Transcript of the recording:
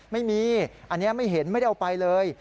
ไม่มีอันนี้ไม่เห็นไม่ได้เอาไปเลย